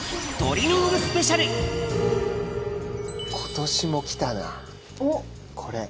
今年も来たなこれ。